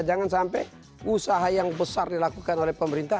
jangan sampai usaha yang besar dilakukan oleh pemerintah